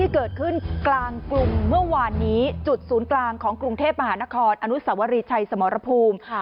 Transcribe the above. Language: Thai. เกิดขึ้นกลางกรุงเมื่อวานนี้จุดศูนย์กลางของกรุงเทพมหานครอนุสวรีชัยสมรภูมิ